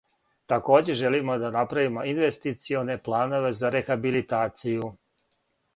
Такође желимо да направимо инвестиционе планове за рехабилитацију.